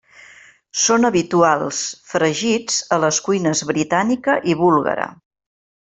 Són habituals, fregits, a les cuines britànica i búlgara.